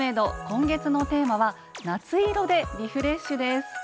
今月のテーマは「夏色で、リフレッシュ」です。